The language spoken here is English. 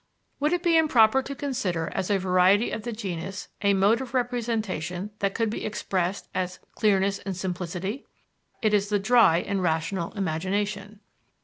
Would it be improper to consider as a variety of the genus a mode of representation that could be expressed as clearness in simplicity? It is the dry and rational imagination.